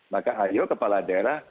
maka ayo kepala daerah